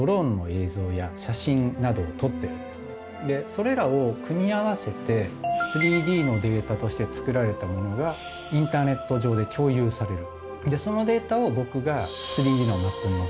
それらを組み合わせて３Ｄのデータとして作られたものがインターネット上で共有される。